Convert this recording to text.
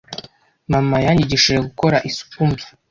Mama yanyigishije gukora isupu mbi.